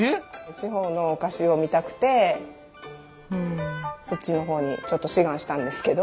地方のお菓子を見たくてそっちのほうにちょっと志願したんですけど。